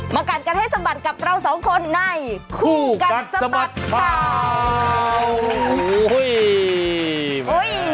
กัดกันให้สะบัดกับเราสองคนในคู่กัดสะบัดข่าว